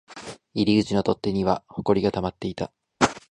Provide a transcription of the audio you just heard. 入り口の取っ手には埃が溜まっていた